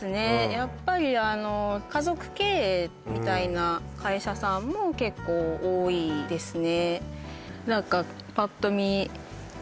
やっぱり家族経営みたいな会社さんも結構多いですね